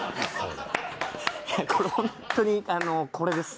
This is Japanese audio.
これホントにこれです。